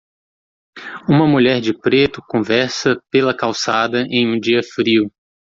Uma mulher de preto conversa pela calçada em um dia frio.